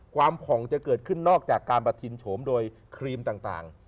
ผ่องจะเกิดขึ้นนอกจากการประทินโฉมโดยครีมต่าง